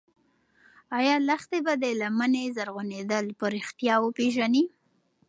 ایا لښتې به د لمنې زرغونېدل په رښتیا وپېژني؟